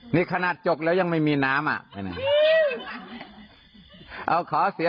นี่ขนาดจกแล้วยังไม่มีน้ำอ่ะ